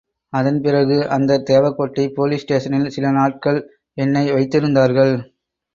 அதன் பிறகு அந்த தேவகோட்டை போலீஸ் ஸ்டேஷனில் சில நாட்கள் என்னை வைத்திருந்தார்கள்.